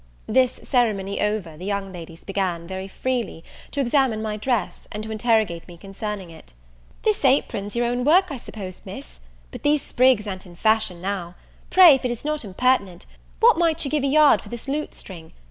This ceremony over, the young ladies begun, very freely, to examine my dress, and to interrogate me concerning it. "This apron's your own work, I suppose, Miss? but these sprigs a'n't in fashion now. Pray, if it is not impertinent, what might you give a yard for this lutestring?